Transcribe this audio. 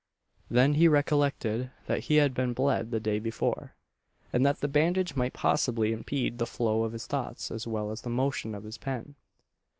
Then he recollected that he had been bled the day before, and that the bandage might possibly impede the flow of his thoughts as well as the motion of his pen.